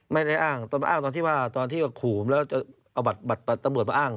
ไม่ได้อ้างตอนมาอ้างตอนที่ว่าตอนที่ว่าขู่ผมแล้วจะเอาบัตรตำรวจมาอ้าง